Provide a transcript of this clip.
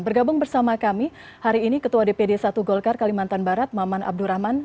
bergabung bersama kami hari ini ketua dpd satu golkar kalimantan barat maman abdurrahman